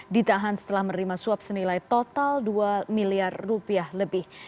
ditahan setelah menerima suap senilai total dua miliar rupiah lebih